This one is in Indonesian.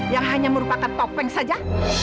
yang hanya merupakan topeng saja